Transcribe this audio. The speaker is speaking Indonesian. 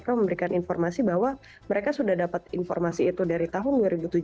mereka memberikan informasi bahwa mereka sudah dapat informasi itu dari tahun dua ribu tujuh belas